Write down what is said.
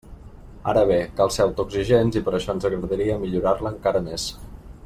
Ara bé, cal ser autoexigents i per això ens agradaria millorar-la encara més!